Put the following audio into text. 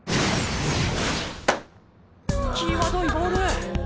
きわどいボール！